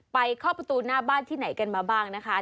เคาะประตูหน้าบ้านที่ไหนกันมาบ้างนะคะ